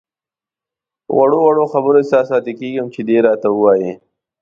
په وړو وړو خبرو احساساتي کېږم چې دی راته وایي.